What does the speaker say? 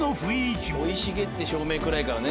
生い茂って照明暗いからね。